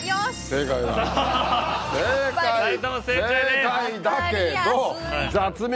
正解だけど。